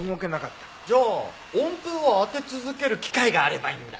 じゃあ温風を当て続ける機械があればいいんだ。